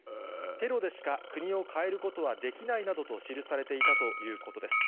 テロでしか国を変えることはできないなどと記されていたということです。